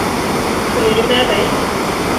Följer du med mig?